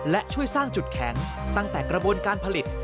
และช่วยสร้างจุดแข็งตั้งแต่กระบวนการผลิต